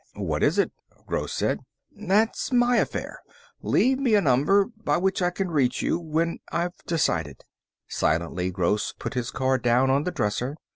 "What is it?" Gross said. "That's my affair. Leave me a number by which I can reach you when I've decided." Silently, Gross put his card down on the dresser.